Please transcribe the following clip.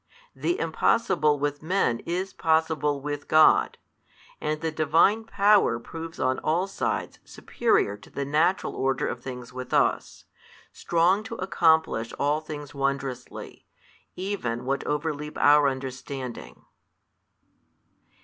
The impossible with men is possible with God, and the Divine Power proves on all sides superior to the natural order of things with us, strong to accomplish all things wondrously, even what overleap our understanding.